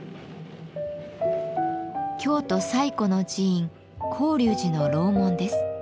京都最古の寺院広隆寺の楼門です。